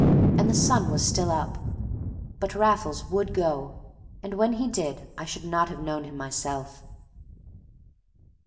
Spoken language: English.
And the sun was still up. But Raffles would go, and when he did I should not have known him myself.